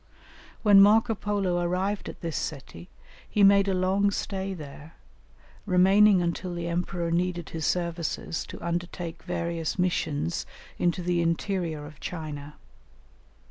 When Marco Polo arrived at this city he made a long stay there, remaining until the emperor needed his services to undertake various missions into the interior of China.